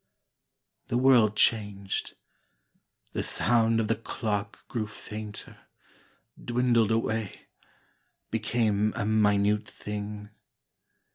The world changed. The sound of the clock grew fainter, Dwindled away, became a minute thing.